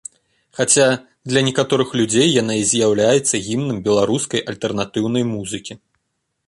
Хаця, для некаторых людзей яна і з'яўляецца гімнам беларускай альтэрнатыўнай музыкі.